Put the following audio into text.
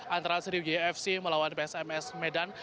antara seri yfc melawan psms medan